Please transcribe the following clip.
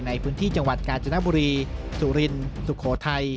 ในพื้นที่จังหวัดกาญจนบุรีสุรินสุโขทัย